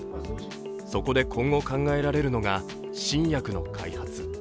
そこで今後考えられるのが、新薬の開発。